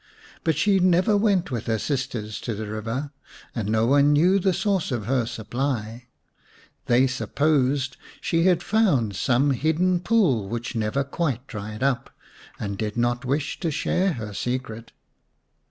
But she 79 The Serpent's Bride vm never went with her sisters to the river, and no one knew the source of her supply ; they supposed she had found some hidden pool which never quite dried up, and did not wish to share her secret.